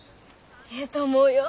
ええと思うよ。